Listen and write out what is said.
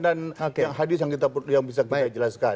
dan hadis yang bisa kita jelaskan